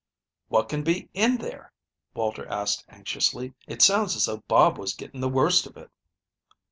"What can be in there?" Walter asked anxiously. "It sounds as though Bob was getting the worst of it."